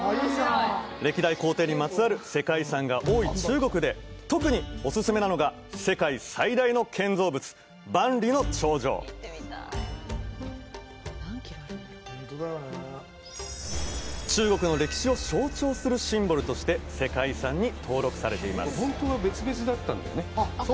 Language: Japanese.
歴代皇帝にまつわる世界遺産が多い中国で特にオススメなのが世界最大の建造物・万里の長城中国の歴史を象徴するシンボルとして世界遺産に登録されています